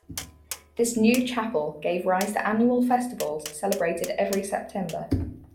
This new chapel gave rise to annual festivals celebrated every September.